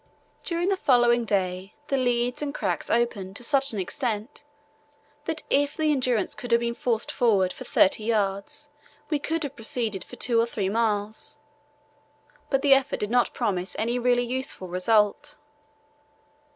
During the following day the leads and cracks opened to such an extent that if the Endurance could have been forced forward for thirty yards we could have proceeded for two or three miles; but the effort did not promise any really useful result.